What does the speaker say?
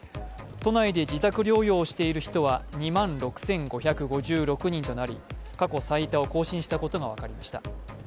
都内で自宅療養している人は２万６５５６人となり、過去最多を更新したことが分かりました。